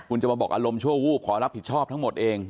คุณจะมาบอกอารมณ์ชั่ววูบขอรับผิดชอบทั้งหมดเอง